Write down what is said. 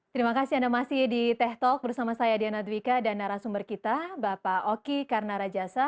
terima kasih anda masih di teh talk bersama saya diana dwiqa dan narasumber kita bapak oki karnarajasa